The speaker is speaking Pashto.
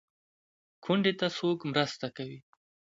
کونډه څوک مرسته کوي؟